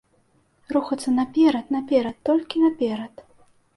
Рухацца наперад-наперад, толькі наперад!